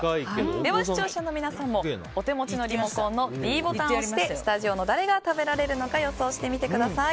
では、視聴者の皆さんもお手持ちのリモコンのｄボタンを押してスタジオの誰が食べられるのか予想してみてください。